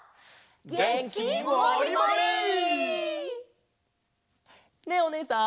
げんきモリモリ！ねえおねえさん。